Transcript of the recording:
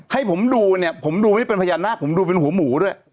ให้ผมดูเนี่ยผมดูไว้เป็นพญานาคผมดูเป็นหัวหมูด้วย